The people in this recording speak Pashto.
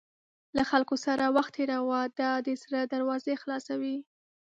له خلکو سره وخت تېروه، دا د زړه دروازې خلاصوي.